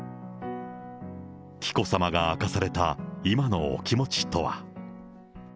紀子さまが明かされた今のお気持ちとは。